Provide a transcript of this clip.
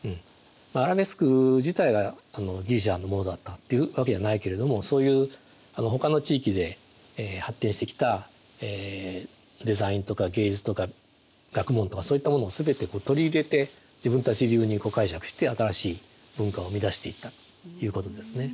アラベスク自体がギリシアのものだったっていうわけじゃないけれどもそういうほかの地域で発展してきたデザインとか芸術とか学問とかそういったものを全て取り入れて自分たち流に解釈して新しい文化を生み出していったということですね。